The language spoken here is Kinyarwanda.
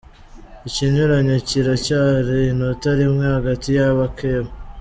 Ikinyuranyo kiracyari inota rimwe hagati y’abakeba.